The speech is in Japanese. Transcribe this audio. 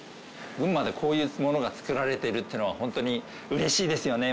群馬でこういうものが作られてるっていうのはホントに嬉しいですよね